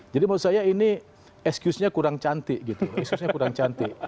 jadi menurut saya ini excuse nya kurang cantik gitu